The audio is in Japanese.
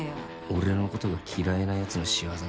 俺のことが嫌いなやつの仕業だろ。